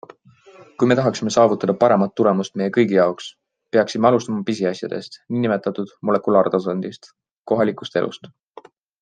Kui me tahaksime saavutada paremat tulemust meie kõigi jaoks, peaksime alustama pisiasjadest nn molekulaartasandist, kohalikust elust.